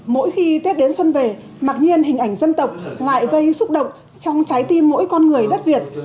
mỗi khi tết đến xuân về mặc nhiên hình ảnh dân tộc lại gây xúc động trong trái tim mỗi con người đất việt